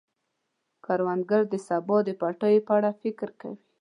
کروندګر د سبا د پټیو په اړه فکر کوي